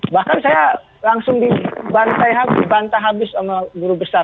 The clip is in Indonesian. bahkan saya langsung dibantah habis sama guru besar